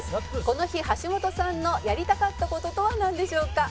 「この日橋本さんのやりたかった事とはなんでしょうか？